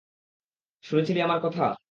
শুনেছিলি আমার কথা?